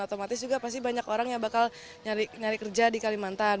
otomatis juga pasti banyak orang yang bakal nyari kerja di kalimantan